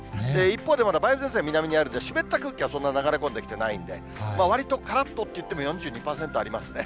一方でまだ梅雨前線、南にあるので、湿った空気はそんなに流れ込んできてないんで、わりとからっとといっても、４２％ありますね。